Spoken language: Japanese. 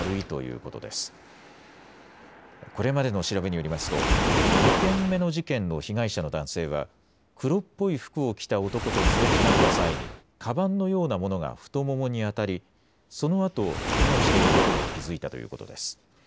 これまでの調べによりますと、２件目の事件の被害者の男性は、黒っぽい服を着た男とすれ違った際に、かばんのようなものが太ももに当たり、そのあと、けがをしていることに気付いたということです。